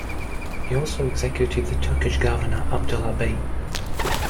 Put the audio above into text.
He also executed the Turkish governor Abdallah Bey.